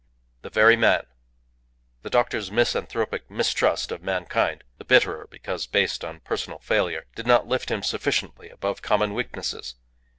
The very man. The doctor's misanthropic mistrust of mankind (the bitterer because based on personal failure) did not lift him sufficiently above common weaknesses.